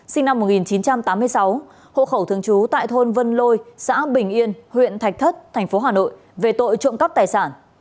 sinh năm một nghìn chín trăm tám mươi sáu hộ khẩu thường trú tại thôn vân lôi xã bình yên huyện thạch thất tp hà nội về tội trộm cắp tài sản